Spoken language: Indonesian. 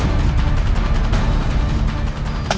dan kita harus menyesakan manusia yang hidup